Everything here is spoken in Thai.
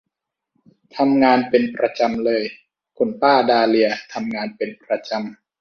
ทำงานเป็นประจำเลย คุณป้าดาเลียทำงานเป็นประจำ